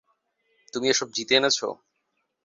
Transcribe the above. তুমি এসব জিতে এনেছ?